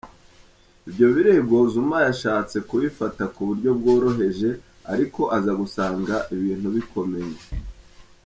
Ibyo birego Zuma yashatse kubifata ku buryo bworoheje ariko aza gusanga ibintu bikomeye.